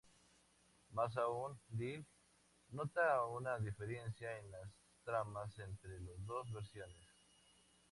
Más aún, Dill nota una diferencia en las tramas entre las dos versiones.